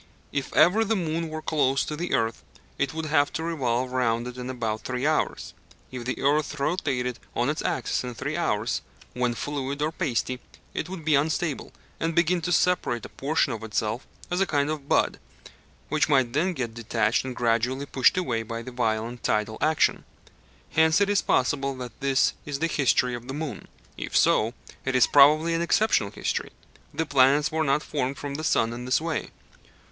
If ever the moon were close to the earth, it would have to revolve round it in about three hours. If the earth rotated on its axis in three hours, when fluid or pasty, it would be unstable, and begin to separate a portion of itself as a kind of bud, which might then get detached and gradually pushed away by the violent tidal action. Hence it is possible that this is the history of the moon. If so, it is probably an exceptional history. The planets were not formed from the sun in this way.